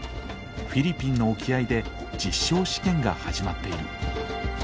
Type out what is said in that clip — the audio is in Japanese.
フィリピンの沖合で実証試験が始まっている。